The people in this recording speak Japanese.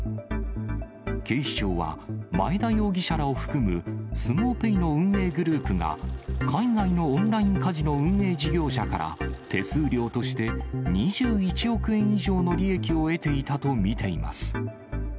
警視庁は、前田容疑者らを含むスモウペイの運営グループが、海外のオンラインカジノ運営事業者から、手数料として２１億円以上の利益を得ていたと見ています。